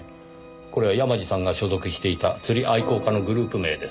これは山路さんが所属していた釣り愛好家のグループ名です。